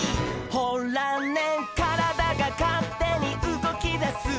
「ほらねからだがかってにうごきだす」